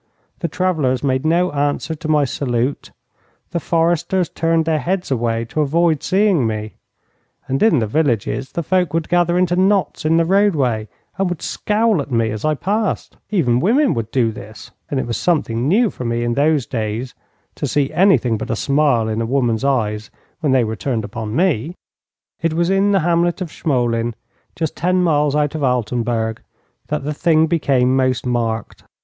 The travellers made no answer to my salute; the foresters turned their heads away to avoid seeing me; and in the villages the folk would gather into knots in the roadway and would scowl at me as I passed. Even women would do this, and it was something new for me in those days to see anything but a smile in a woman's eyes when they were turned upon me. It was in the hamlet of Schmolin, just ten miles out of Altenburg, that the thing became most marked.